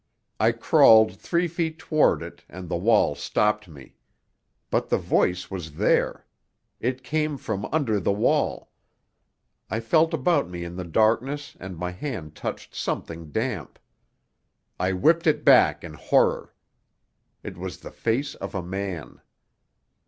I crawled three feet toward it, and the wall stopped me. But the voice was there. It came from under the wall. I felt about me in the darkness, and my hand touched something damp. I whipped it back in horror. It was the face of a man.